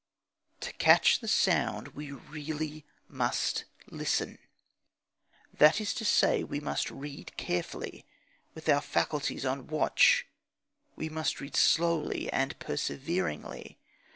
To catch the sound we really must listen. That is to say, we must read carefully, with our faculties on the watch. We must read slowly and perseveringly.